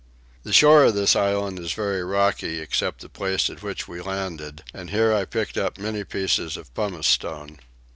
The shore of this island is very rocky except the place at which we landed, and here I picked up many pieces of pumice stone.